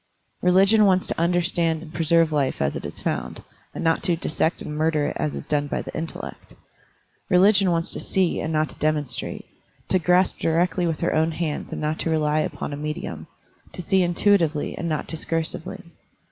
Religion wants to under stand and preserve life as it is found, and not to "dissect and murder" it as is done by the intel lect. Religion wants to see and not to demon strate; to grasp directly with her own hands and not to rely upon a medium; to see intui tively and not discursively.